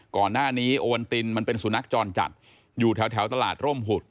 ก่อนหน้านี้โอวันตินมันเป็นสุนัขจรจัดอยู่แถวตลาดร่มหุด